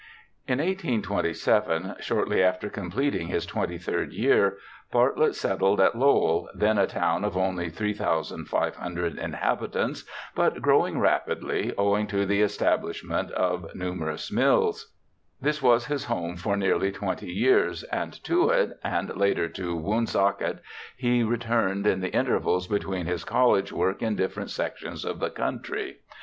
In 1827, shortly after completing his twenty third year, Bartlett settled at Lowell, then a town of only 3,500 inhabitants, but growing rapidly, owing to the establish ment of numerous mills. This was his home for nearly twenty years, and to it, and later to Woonsocket, he returned in the intervals between his college work in different sections of the country.